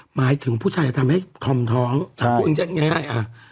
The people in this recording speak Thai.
หมายถึงผู้ชายทำให้คอมท้องสังคมง่าย